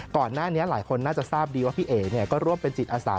ก่อนหน้านี้หลายคนน่าจะทราบดีว่าพี่เอ๋ก็ร่วมเป็นจิตอาสา